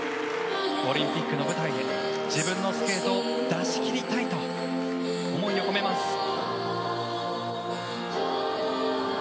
オリンピックの舞台で自分のスケートを出し切りたいと思いを込めます。